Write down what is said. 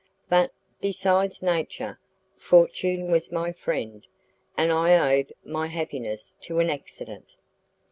But, besides nature, fortune was my friend, and I owed my happiness to an accident.